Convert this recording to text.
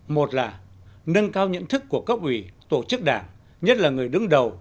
một là nâng cao nhận thức của cấp ủy tổ chức đảng nhất là người đứng đầu